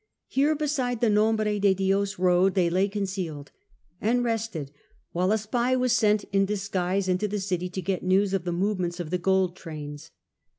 Here, beside the Nombre de Dios road, they lay concealed, and rested while a spy was sent in disguise into the city to get news of the movements of the gold trains.